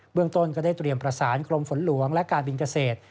เมืองต้นก็ได้เตรียมประสานกรมฝนหลวงและการบินเกษตร